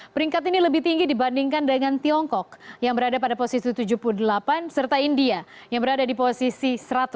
peringkat ini lebih tinggi dibandingkan dengan tiongkok yang berada pada posisi tujuh puluh delapan serta india yang berada di posisi satu ratus enam puluh